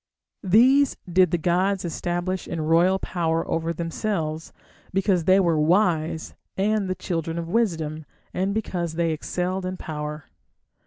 These did the gods establish in royal power over themselves, because they were wise and the children of wisdom, and because they excelled in power.